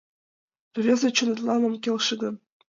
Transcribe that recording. Разве чонетлан ом келше гын